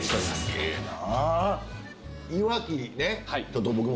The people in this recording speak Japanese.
すげぇな。